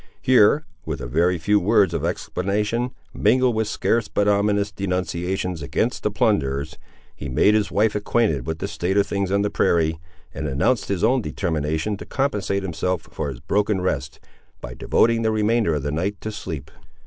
Here, with a very few words of explanation, mingled with scarce but ominous denunciations against the plunderers, he made his wife acquainted with the state of things on the prairie, and announced his own determination to compensate himself for his broken rest, by devoting the remainder of the night to sleep.